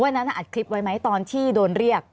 อันนั้นอัดคลิปไว้ไหมตอนที่โดนเรียก